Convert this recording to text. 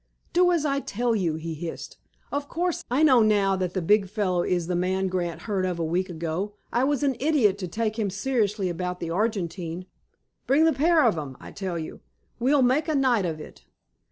"Do as I tell you," he hissed. "Of course, I know now that the big fellow is the man Grant heard of a week ago. I was an idiot to take him seriously about the Argentine. Bring the pair of 'em, I tell you. We'll make a night of it."